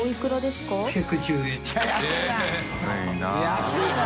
安いな。